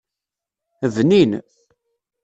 Bnin.